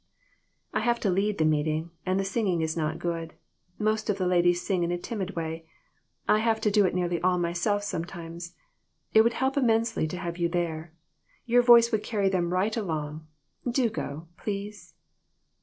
" I have to lead the meeting, and the singing is not good. Most of the ladies sing in a timid way. I have to do it nearly all myself sometimes. It would help immensely to have you there. Your voice would carry them right along. Do go, please."